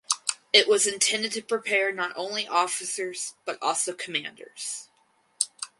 It was intended to prepare not only officers but also commanders.